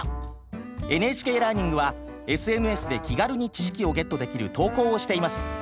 「ＮＨＫラーニング」はＳＮＳで気軽に知識をゲットできる投稿をしています。